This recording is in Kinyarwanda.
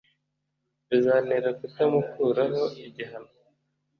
bizantera kutamukuraho igihano